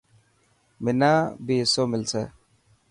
منا بي حصو ملسي.